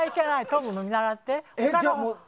トムを見習って。